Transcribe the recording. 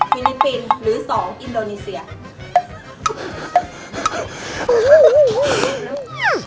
๑ฟิลิปินหรือ๒อินโดนีเซีย